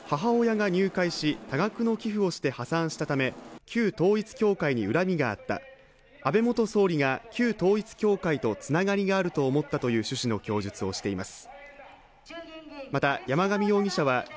これまでに母親が入会し、多額の寄付をして破産したため旧統一教会に恨みがあった、安倍元総理が旧統一教会につなががあると思ったという趣旨の供述をしています。